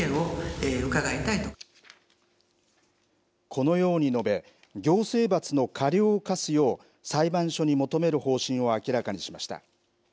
このように述べ、行政罰の過料を科すよう、裁判所に求める方針を明らかにしました。